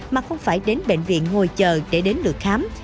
mà không phải đến bệnh viện ngồi chờ để đến lượt khám